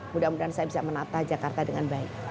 mudah mudahan saya bisa menata jakarta dengan baik